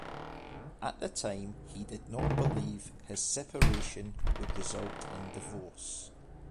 At the time, he did not believe his separation would result in divorce.